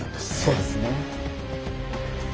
そうですね。